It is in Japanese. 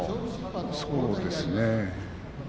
そうですね。